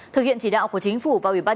thực hiện chỉ đạo của chính phủ và ubnd